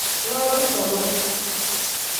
Yooti tooru.